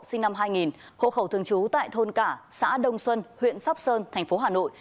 sinh năm hai nghìn hộ khẩu thường trú tại thôn cả xã đông xuân huyện sóc sơn thành phố hà nội